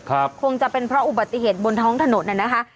คงจะเป็นเพราะอุบัติเหตุบนท้องถนนน่ะนะคะ